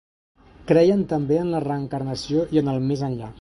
Creien també en la reencarnació i en el més enllà.